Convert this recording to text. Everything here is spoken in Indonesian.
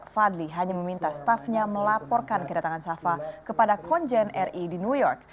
fadli hanya meminta staffnya melaporkan kedatangan safa kepada konjen ri di new york